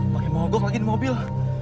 pakai mogok lagi di mobil